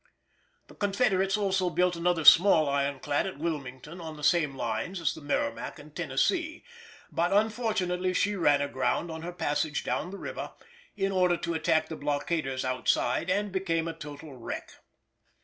The Confederates also built another small ironclad at Wilmington on the same lines as the Merrimac and Tennessee, but unfortunately she ran ashore on her passage down the river, in order to attack the blockaders outside, and became a total wreck.